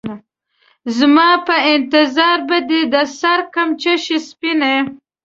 زما په انتظار به دې د سـر کمڅـۍ شي سپينې